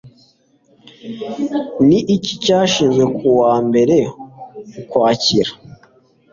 Ni iki cyashinzwe ku ya mbere Ukwakira